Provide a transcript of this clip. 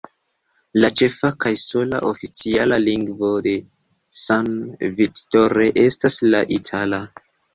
La ĉefa kaj sola oficiala lingvo de San Vittore estas la itala.